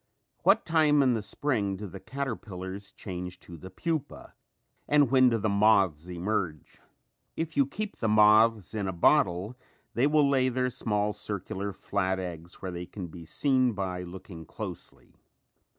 What time in the spring do the caterpillars change to the pupa and when do the moths emerge? If you keep the moths in a bottle they will lay their small circular flat eggs where they can be seen by looking closely.